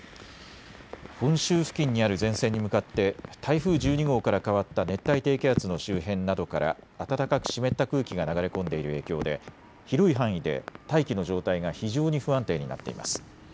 本州付近にある前線に向かって台風１２号から変わった熱帯低気圧の周辺などから暖かく湿った空気が流れ込んでいる影響で広い範囲で大気の状態が非常に不安定になっています。